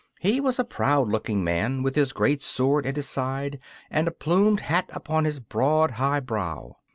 He was a proud looking man, with his great sword at his side and a plumed hat upon his broad, high brow.